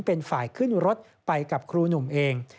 เป็นฝ่ายขึ้นรถไปกับครูหนุ่มเอง